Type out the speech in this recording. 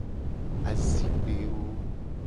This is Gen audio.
Azikpewo.